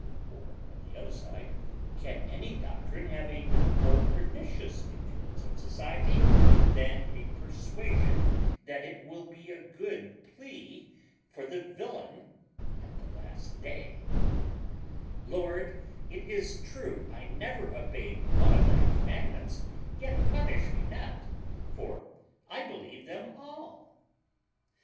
Or, on the other side, can any doctrine have a more pernicious influence on society, than a persuasion that it will be a good plea for the villain at the last day 'Lord, it is true I never obeyed one of thy commandments, yet punish me not, for I believe them all?'"